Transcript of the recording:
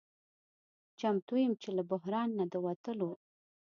چمتو یم چې له بحران نه د وتلو